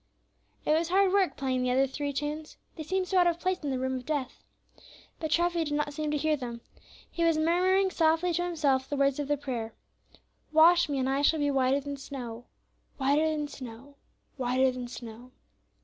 It was hard work playing the three other tunes, they seemed so out of place in the room of death. But Treffy did not seem to hear them. He was murmuring softly to himself the words of the prayer, "Wash me, and I shall be whiter than snow; whiter than snow, whiter than snow."